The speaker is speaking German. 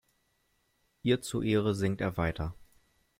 Ihr zu Ehre singt er weiter.